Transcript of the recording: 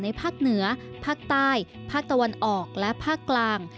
ภาคเหนือภาคใต้ภาคตะวันออกและภาคกลาง